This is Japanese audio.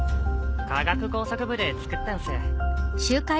科学工作部で作ったんす。